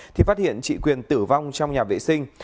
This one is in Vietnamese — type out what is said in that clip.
thì phát hiện chị quyền tử vong trong nhà vệ sinh